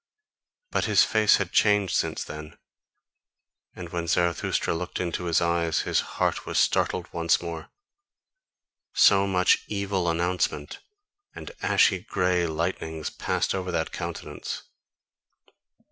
But his face had changed since then; and when Zarathustra looked into his eyes, his heart was startled once more: so much evil announcement and ashy grey lightnings passed over that countenance.